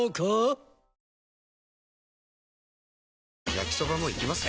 焼きソバもいきます？